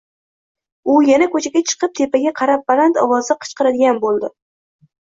U yana ko`chaga chiqib, tepaga qarab baland ovozda qichqiradigan bo`ldi